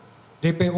ya dalam kaitan dpo